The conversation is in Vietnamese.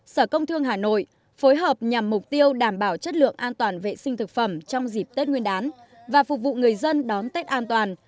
sở công thương hà nội phối hợp nhằm mục tiêu đảm bảo chất lượng an toàn vệ sinh thực phẩm trong dịp tết nguyên đán và phục vụ người dân đón tết an toàn